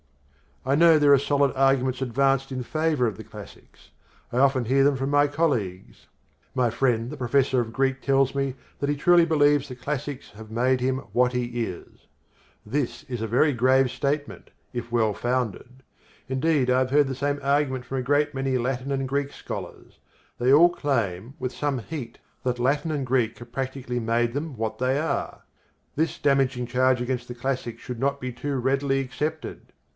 I know there are solid arguments advanced in favour of the classics. I often hear them from my colleagues. My friend the professor of Greek tells me that he truly believes the classics have made him what he is. This is a very grave statement, if well founded. Indeed I have heard the same argument from a great many Latin and Greek scholars. They all claim, with some heat, that Latin and Greek have practically made them what they are. This damaging charge against the classics should not be too readily accepted.